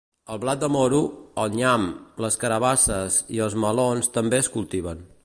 El blat de moro, el nyam, les carabasses i els melons també es cultiven.